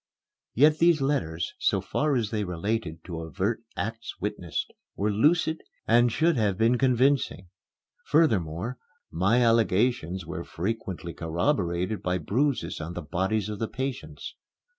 Yet these letters, so far as they related to overt acts witnessed, were lucid and should have been convincing. Furthermore, my allegations were frequently corroborated by bruises on the bodies of the patients.